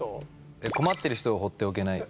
「困ってる人を放っておけない」。